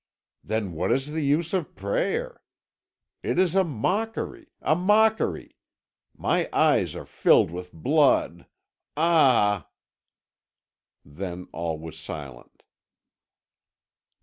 Then what is the use of prayer? It is a mockery a mockery! My eyes are filled with blood! Ah!" Then all was silent.